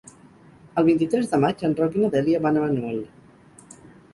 El vint-i-tres de maig en Roc i na Dèlia van a Manuel.